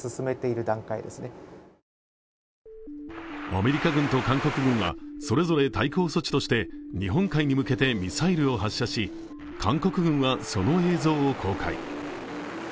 アメリカ軍と韓国軍はそれぞれ対抗措置として日本海に向けてミサイルを発射し、韓国軍はその映像を公開。